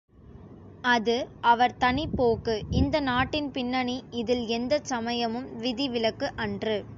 அது அவர் தனிப் போக்கு இந்த நாட்டின் பின்னணி இதில் எந்தச் சமயமும் விதி விலக்கு அன்று.